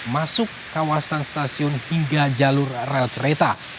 masuk kawasan stasiun hingga jalur rel kereta